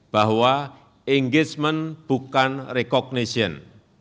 bahwa engagement bukan recognition